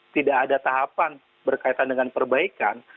tidak ada tahapan berkaitan dengan perbaikan